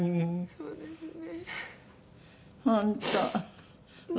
そうですね。